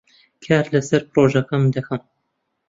کار لەسەر پرۆژەکەم دەکەم.